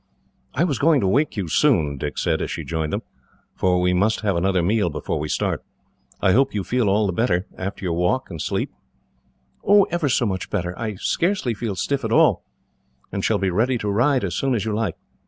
"I was going to wake you soon," Dick said, as she joined them, "for we must have another meal before we start. I hope you feel all the better, after your walk and sleep?" "Ever so much better. I scarcely feel stiff at all, and shall be ready to ride, as soon as you like.